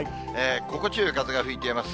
心地よい風が吹いています。